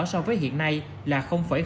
so với hiện nay là ba